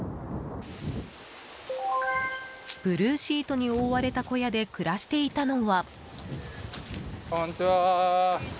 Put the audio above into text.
ブルーシートに覆われた小屋で暮らしていたのは。